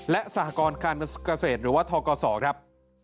และสหกรการเกษตรหรือว่าทกศครับ